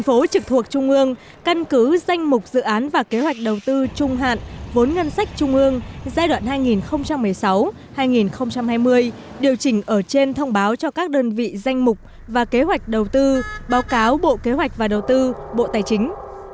cụ thể thủ tướng chính phủ điều chỉnh kế hoạch đầu tư công cho các bộ ngành và địa phương